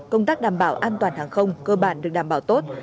công tác đảm bảo an toàn hàng không cơ bản được đảm bảo tốt